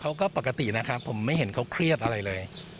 ปกตินะครับผมไม่เห็นเขาเครียดอะไรเลย